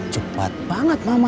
cepat banget mama